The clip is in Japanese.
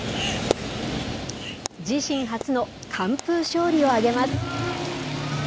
自身初の完封勝利を挙げます。